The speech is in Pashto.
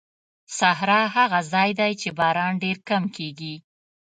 صحرا هغه ځای دی چې باران ډېر کم کېږي.